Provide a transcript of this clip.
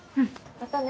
またね。